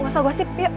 gak usah gosip yuk